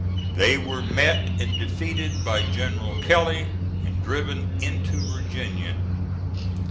They were met and defeated by General Kelley and driven into Virginia.